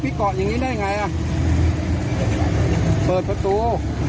พี่กตอย่างงี้ได้ยังไงเปิดประตู